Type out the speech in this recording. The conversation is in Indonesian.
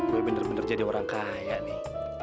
gue bener bener jadi orang kaya nih